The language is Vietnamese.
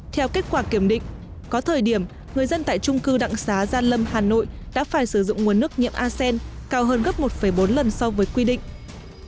theo kết quả kiểm định có thời điểm người dân tại trung cư đặng xá gia lâm hà nội đã phải sử dụng nguồn nước nhiễm asen cao hơn gấp một bốn lần so với quy định